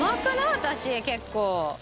私結構。